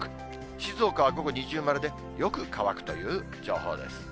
静岡は午後、二重丸でよく乾くという情報です。